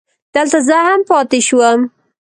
دلته زه هم پاتې شوم.